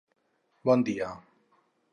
Bon dia